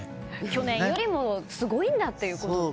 去年よりもすごいんだってことですね。